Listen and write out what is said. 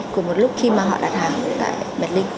cùng một lúc khi mà họ đặt hàng tại medlink